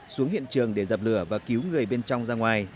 xuống hiện trường để dập lửa và cứu người bên trong ra ngoài